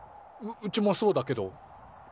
うちもそうだけど。